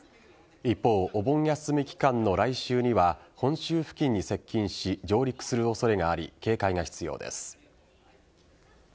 一方、お盆休み期間の来週には本州付近に接近し上陸する恐れがあり警戒が必要です。